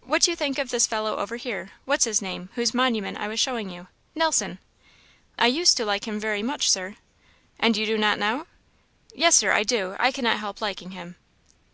"What do you think of this fellow over here what's his name? whose monument I was showing you Nelson!" "I used to like him very much, Sir." "And you do not now?" "Yes, Sir, I do; I cannot help liking him."